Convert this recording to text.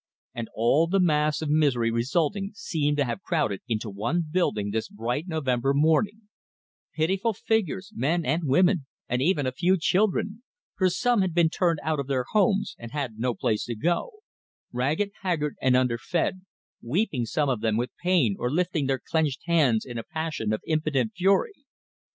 And all the mass of misery resulting seemed to have crowded into one building this bright November morning; pitiful figures, men and women and even a few children for some had been turned out of their homes, and had no place to go; ragged, haggard, and underfed; weeping, some of them, with pain, or lifting their clenched hands in a passion of impotent fury.